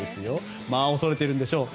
恐れているんでしょうね。